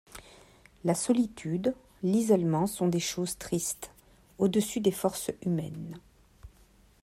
La solitude, l’isolement sont choses tristes, au-dessus des forces humaines..